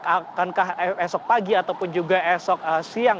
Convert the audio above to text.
akankah esok pagi ataupun juga esok siang